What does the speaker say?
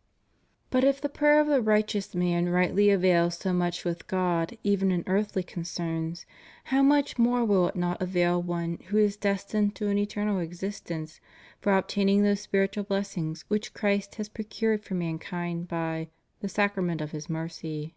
'■ But if the prayer of the righteous man rightly avail so much with God even in earthly concerns, how much more will it not avail one who is destined to an eternal existence for obtaining those spiritual blessings which Christ has procured for mankind by "the sacrament of His mercy."